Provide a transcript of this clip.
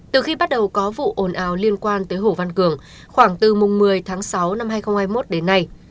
từ khi bắt đầu có vụ ồn ào liên quan tới hồ văn cường khoảng từ mùng một mươi tháng sáu năm hai nghìn hai mươi một đến nay